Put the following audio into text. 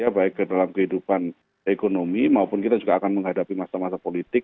baik dalam kehidupan ekonomi maupun kita juga akan menghadapi massa massa politik